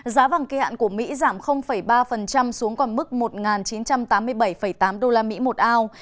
giá vàng kỳ hạn của mỹ giảm ba xuống còn mức một chín trăm tám mươi bảy tám usd một ao